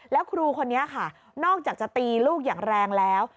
แล้วครูคนนี้ค่ะนอกจากจะตีลูกอย่างแรงแล้ว